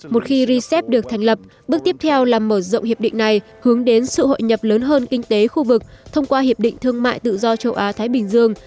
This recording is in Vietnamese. một khi rcep được thành lập bước tiếp theo là mở rộng hiệp định này hướng đến sự hội nhập lớn hơn kinh tế khu vực thông qua hiệp định thương mại tự do châu á thái bình dương